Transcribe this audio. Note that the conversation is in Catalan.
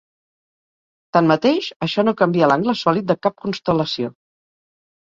Tanmateix, això no canvia l'angle sòlid de cap constel·lació.